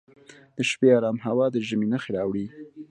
د شپې ارام هوا د ژمي نښې راوړي.